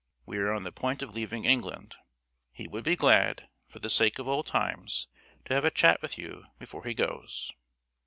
We are on the point of leaving England. He would be glad, for the sake of old times, to have a chat with you before he goes.